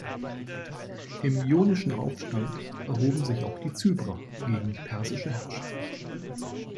Im Ionischen Aufstand erhoben sich auch die Zyprer gegen die persische Herrschaft.